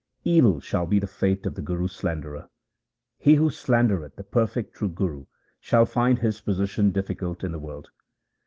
Evil shall be the fate of the Guru's slanderer :— He who slandereth the perfect true Guru shall find his position difficult in the world.